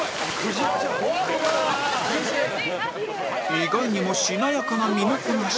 意外にもしなやかな身のこなし